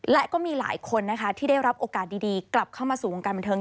และก็มีหลายคนนะคะที่ได้รับโอกาสดีกลับเข้ามาสู่วงการบันเทิง